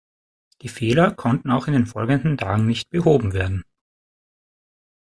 Die Fehler konnten auch in den folgenden Tagen nicht behoben werden.